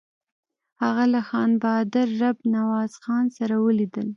هغه له خان بهادر رب نواز خان سره ولیدل.